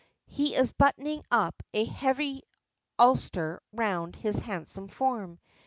He is buttoning up a heavy ulster round his handsome form.